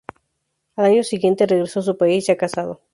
Al año siguiente, regresó a su país ya casado.